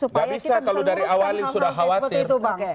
nggak bisa kalau dari awal sudah khawatir